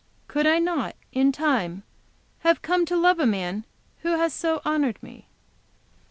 Could I not, in time, have come to love a man who has so honored me?"